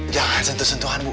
jangan sentuh sentuhan bu